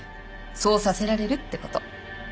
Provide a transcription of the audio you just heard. そうさせられるってこと。